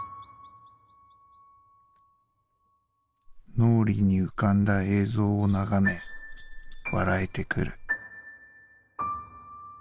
「脳裏に浮かんだ映像を眺め笑えてくる」。